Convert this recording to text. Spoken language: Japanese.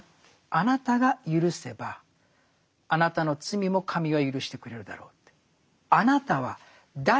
あなたがゆるせばあなたの罪も神はゆるしてくれるだろうって。